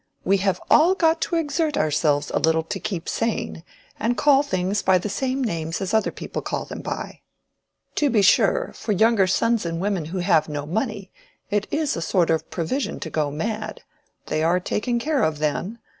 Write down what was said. We have all got to exert ourselves a little to keep sane, and call things by the same names as other people call them by. To be sure, for younger sons and women who have no money, it is a sort of provision to go mad: they are taken care of then.